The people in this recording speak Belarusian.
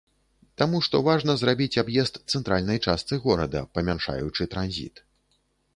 Таму што важна зрабіць аб'езд цэнтральнай частцы горада, памяншаючы транзіт.